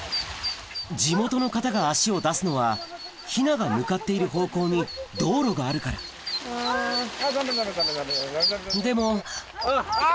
地元の方が足を出すのはヒナが向かっている方向に道路があるからでも・あぁ